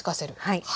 はい。